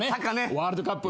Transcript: ワールドカップ。